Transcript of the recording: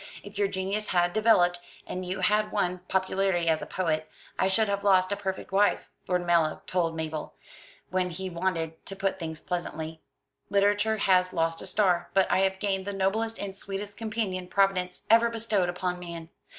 "If your genius had developed, and you had won popularity as a poet, I should have lost a perfect wife," Lord Mallow told Mabel, when he wanted to put things pleasantly. "Literature has lost a star; but I have gained the noblest and sweetest companion Providence ever bestowed upon man."